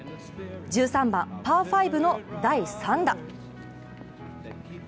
１３番パー５の第３打。